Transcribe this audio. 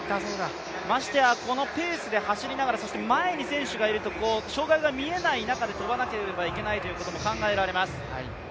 ましてやこのペースで走りながら、前に選手がいると障害が見えない中で跳ばなければいけないということも考えられます。